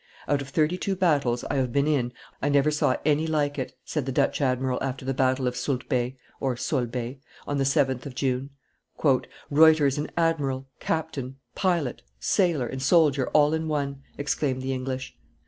"Out of thirty two battles I have been in I never saw any like it," said the Dutch admiral after the battle of Soultbay (Solebay) on the 7th of June. "Ruyter is admiral, captain, pilot, sailor, and soldier all in one," exclaimed the English.